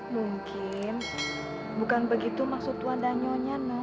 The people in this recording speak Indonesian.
mungkin bukan begitu maksud tuan danionya nun